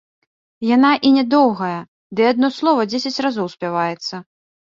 Яна і нядоўгая, ды адно слова дзесяць разоў спяваецца.